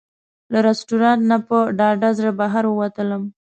له رسټورانټ نه په ډاډه زړه بهر ووتلم.